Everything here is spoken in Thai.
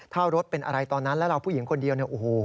ถ้ารถเป็นอะไรตอนนั้นแล้วเราผู้หญิงคนเดียว